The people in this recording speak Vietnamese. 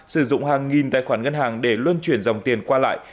sử dụng hàng nghìn tài khoản ngân hàng để luân chuyển dòng tiền qua lại